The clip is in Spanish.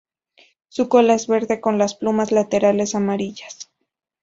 Su cola es verde con las plumas laterales amarillas.